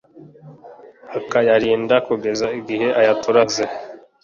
ikayarinda kugeza igihe iyaturaze